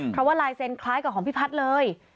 เพราะว่าลายเซ็นต์คล้ายกับของพี่พัฒน์เลย